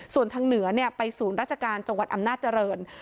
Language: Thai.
ส่วนทางเหนือไปศูนย์ราชการจังหวัดอำนาจริง